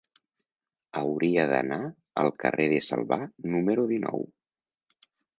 Hauria d'anar al carrer de Salvà número dinou.